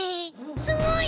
すごい！